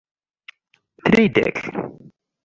tridek